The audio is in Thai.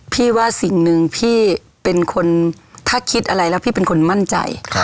ว่าสิ่งหนึ่งพี่เป็นคนถ้าคิดอะไรแล้วพี่เป็นคนมั่นใจ